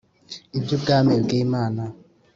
Iby’ubwami bw’Imana.